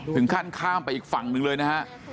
ข้ามไปอีกฝั่งหนึ่งเลยนะฮะ